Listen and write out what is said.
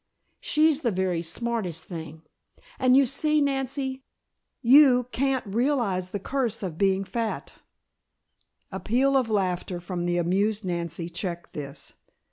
She's the very smartest thing. And you see, Nancy, you can't realize the curse of being fat." A peal of laughter from the amused Nancy checked this.